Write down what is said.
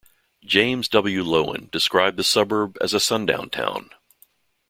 James W. Loewen described the suburb as a sundown town.